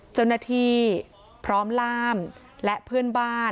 เจ้าหน้าที่พร้อมล่ามและเพื่อนบ้าน